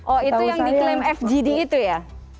oh itu yang diklaim fgd itu ya